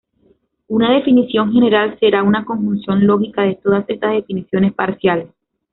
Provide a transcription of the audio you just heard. Una definición general será una conjunción lógica de todas estas definiciones parciales.